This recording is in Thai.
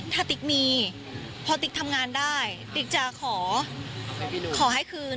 ถ้าติ๊กมีพอติ๊กทำงานได้ติ๊กจะขอให้คืน